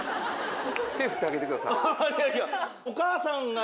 手振ってあげてください。